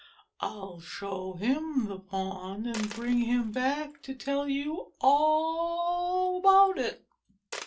I '11 show him the pond and bring him back to tell you all about it."